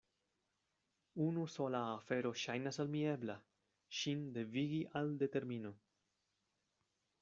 Unu sola afero ŝajnas al mi ebla: ŝin devigi al determino.